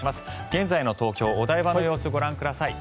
現在の東京・お台場の様子ご覧ください。